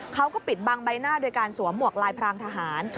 เขาก็ปิดบังใบหน้าโดยการสวมหวกลายพรางทหาร